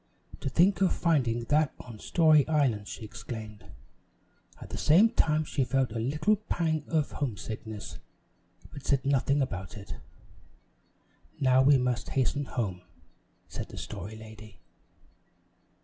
"To think of finding that on Story Island!" she exclaimed. At the same time she felt a little pang of homesickness, but said nothing about it. "Now we must hasten home," said the Story Lady.